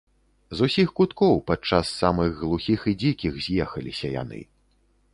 З усіх куткоў, падчас самых глухіх і дзікіх, з'ехаліся яны.